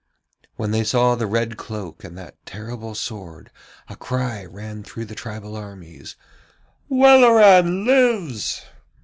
When they saw the red cloak and that terrible sword a cry ran through the tribal armies, 'Welleran lives!'